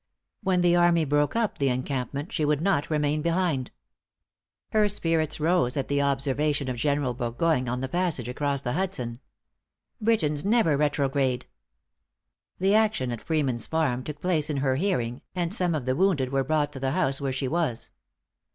When the army broke up the encampment, she would not remain behind. Her spirits rose at the observation of General Burgoyne on the passage across the Hudson "Britons never retrograde." The action at Freeman's Farm took place in her hearing, and some of the wounded were brought to the house where she was.